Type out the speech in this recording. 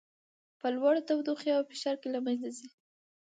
په لوړه تودوخې او فشار کې له منځه ځي.